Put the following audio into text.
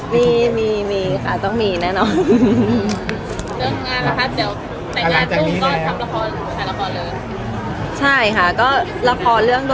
แต่มีน้องค่อนไข้เอาไว้ว่ากันเลย